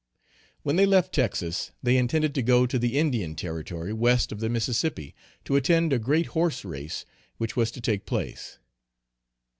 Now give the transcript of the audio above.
When they left Texas, they intended to go to the Indian Territory west of the Mississippi, to attend a great horse race which was to take place.